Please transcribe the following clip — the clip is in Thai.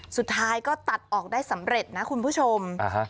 สุดท้ายก็ตัดออกได้สำเร็จนะคุณผู้ชม